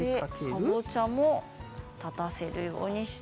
かぼちゃも立たせるようにして。